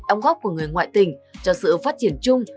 ông góp của người ngoại tình cho sự phát triển chung